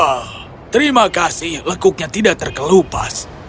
ah terima kasih lekuknya tidak terkelupas